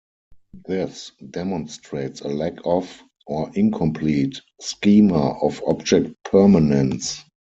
This demonstrates a lack of, or incomplete, schema of object permanence.